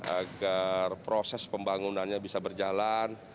agar proses pembangunannya bisa berjalan